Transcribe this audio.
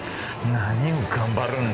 何を頑張るんだ。